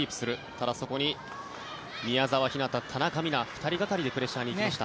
ただ、そこに宮澤ひなた、田中美南２人がかりでプレッシャーに行きました。